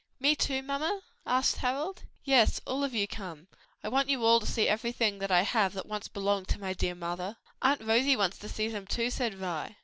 "Me too, mamma?" asked Harold. "Yes, all of you come. I want you all to see everything that I have that once belonged to my dear mother." "Aunt Rosie wants to see them too," said Vi.